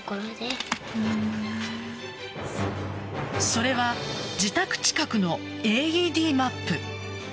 それは自宅近くのＡＥＤマップ。